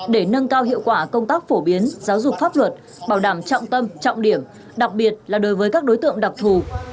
để nâng cao hiệu quả công tác phổ biến giáo dục pháp luật bảo đảm trọng tâm trọng điểm đặc biệt là đối với các đối tượng đặc thù